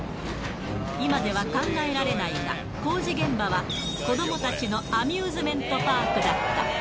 今では考えられないが、工事現場は子どもたちのアミューズメントパークだった。